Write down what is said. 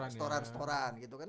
storan storan gitu kan